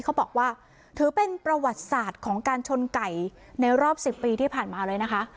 เขาบอกว่าถือเป็นประวัติศาสตร์ของการชนไก่ในรอบ๑๐ปีที่ผ่านมาเลยนะคะ